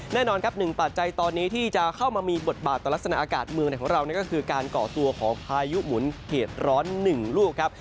แน่นอนครับหนึ่งปัจจัยตอนนี้ที่จะเข้ามามีบทบาทต่อลักษณะอากาศเมืองไหนของเราก็คือการก่อตัวของพายุหมุนเขตร้อน๑ลูกครับ